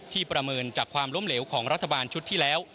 ประเมินจากความล้มเหลวของรัฐบาลชุดที่แล้ว